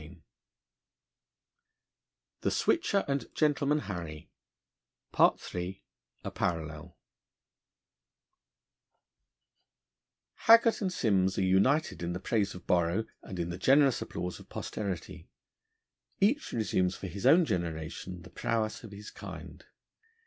A PARALLEL (THE SWITCHER AND GENTLEMAN HARRY) HAGGART and Simms are united in the praise of Borrow, and in the generous applause of posterity. Each resumes for his own generation the prowess of his kind.